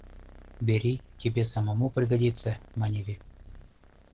«Бери, тебе самому пригодится», — маневе.